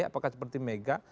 apakah seperti mega